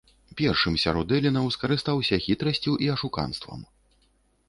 Першым сярод элінаў скарыстаўся хітрасцю і ашуканствам.